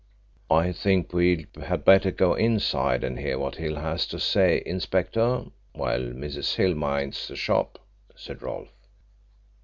"I think we had better go inside and hear what Hill has to say, Inspector, while Mrs. Hill minds the shop," said Rolfe.